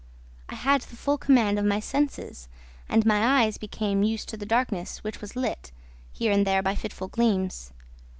I had the full command of my senses; and my eyes became used to the darkness, which was lit, here and there, by fitful gleams.